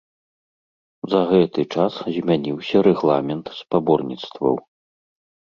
За гэты час змяніўся рэгламент спаборніцтваў.